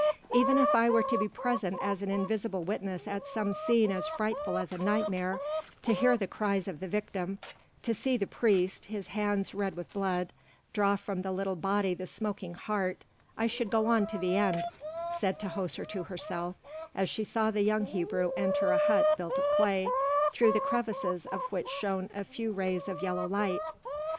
"Even if I were to be present as an invisible witness at some scene as frightful as a nightmare, to hear the cries of the victim, to see the priest, his hands red with blood, draw from the little body the smoking heart, I should go on to the end," said Tahoser to herself, as she saw the young Hebrew enter a hut built of clay, through the crevices of which shone a few rays of yellow light.